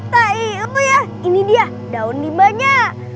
tadi ini dia daun limbanya